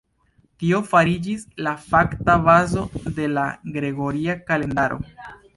Tio fariĝis la fakta bazo de la gregoria kalendaro.